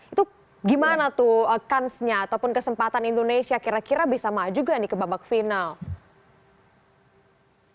itu gimana tuh kansnya ataupun kesempatan indonesia kira kira bisa maju gak nih ke babak final